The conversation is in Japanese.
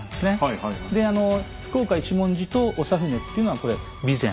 であの福岡一文字と長船っていうのはこれ備前。